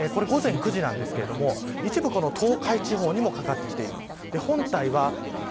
これは午前９時ですが一部東海地方にもかかってきている。